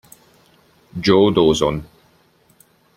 Joe Dawson